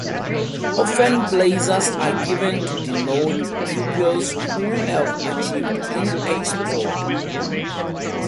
Often blazers are given to denote pupils who have achieved in a sport.